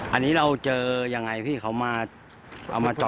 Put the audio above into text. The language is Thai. อันนี้เราเจอยังไงพี่เขามา